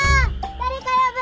誰か呼ぶ！